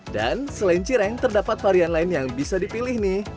dan selain cireng terdapat varian lain yang bisa dipilih nih